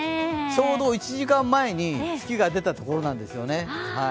ちょうど１時間前に月が出たところなんですよね。